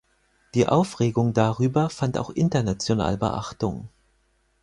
Die Aufregung darüber fand auch international Beachtung.